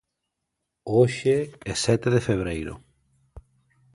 Hoxe é sete de febreiro.